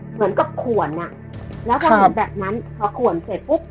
เหมือนกับขวนอ่ะแล้วพอเห็นแบบนั้นพอขวนเสร็จปุ๊บ